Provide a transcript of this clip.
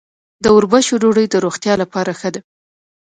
د وربشو ډوډۍ د روغتیا لپاره ښه ده.